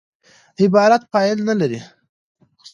عبارت فاعل نه لري.